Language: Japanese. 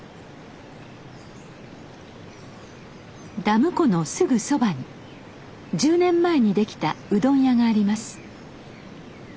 ダム湖のすぐそばに１０年前にできたうどん屋があります。